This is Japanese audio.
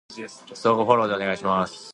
相互フォローでお願いします